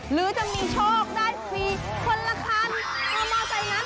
หรือจะมีโชคได้ฟรีคนละคร